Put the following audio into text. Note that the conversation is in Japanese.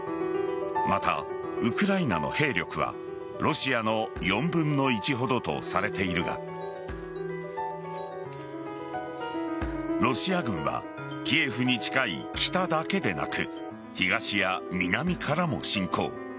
またウクライナの兵力はロシアの４分の１ほどとされているがロシア軍はキエフに近い北だけでなく東や南からも侵攻。